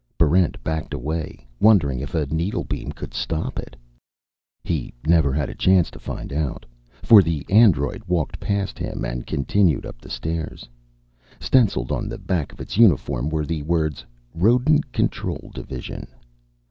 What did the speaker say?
Barrent backed away, wondering if a needlebeam could stop it. He never had a chance to find out, for the android walked past him and continued up the stairs. Stenciled on the back of its uniform were the words RODENT CONTROL DIVISION.